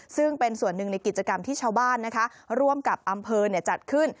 ซึ่งเป็นส่วนหนึ่งในกิจกรรมที่ชาวบ้านร่วมกับอำเภอจัดขึ้น